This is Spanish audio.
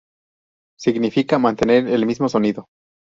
Significa ‘mantener el mismo sonido’.